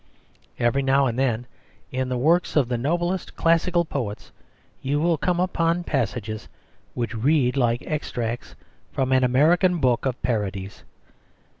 Every now and then in the works of the noblest classical poets you will come upon passages which read like extracts from an American book of parodies.